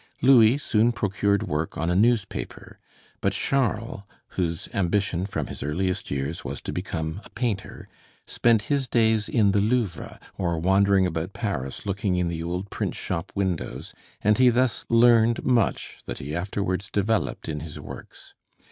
Louis soon procured work on a newspaper; but Charles, whose ambition from his earliest years was to become a painter, spent his days in the Louvre, or wandering about Paris looking in the old print shop windows, and he thus learned much that he afterwards developed in his works.